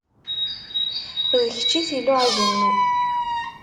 D kečč i t-iluɛjen.